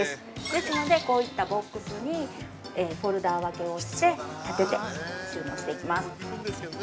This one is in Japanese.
ですので、こういったボックスにフォルダ分けをして、立てて、収納していきます。